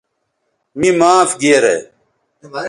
می معاف گیرے